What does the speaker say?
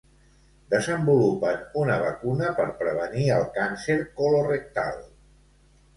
Desenvolupen una vacuna per prevenir el càncer colorectal.